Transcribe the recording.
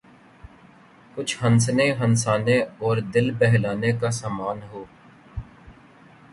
کچھ ہنسنے ہنسانے اور دل بہلانے کا سامان ہو۔